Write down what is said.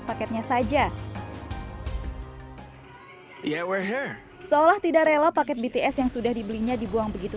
paketnya saja ya we're here seolah tidak rela paket bts yang sudah dibeli nya dibuang begitu